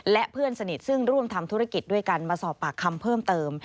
และเพื่อนสนิทซึ่งร่วมทำธุรกิจด้วยกันมาสอบปากคำเพิ่มเติม